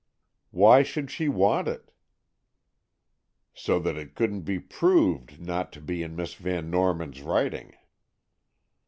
"Why should she want it?" "So that it couldn't be proved not to be in Miss Van Norman's writing."